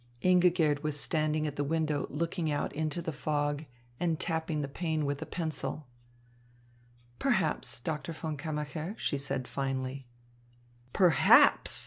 Ingigerd was standing at the window looking out into the fog and tapping the pane with a pencil. "Perhaps, Doctor von Kammacher," she said finally. "Perhaps!"